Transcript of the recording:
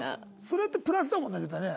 それってプラスだもんね絶対ね。